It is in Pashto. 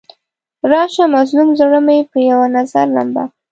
راشه مظلوم زړه مې په یو نظر لمبه کړه.